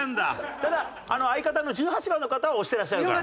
ただ相方の１８番の方は押してらっしゃるから。